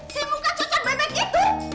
si muka cocok bebek itu